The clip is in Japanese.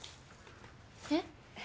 えっ？